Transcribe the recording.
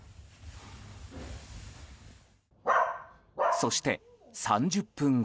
そして３０分後。